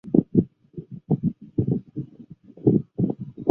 地主不愿意订立书面契约